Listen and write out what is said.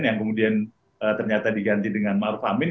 yang kemudian ternyata diganti dengan mahfamin